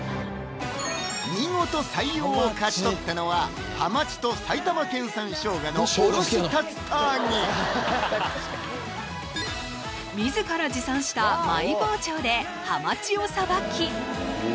見事採用を勝ち取ったのはハマチと埼玉県産生姜のおろし竜田揚げ自ら持参したマイ包丁でハマチをさばき